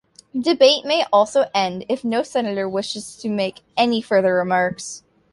Debate may also end if no senator wishes to make any further remarks.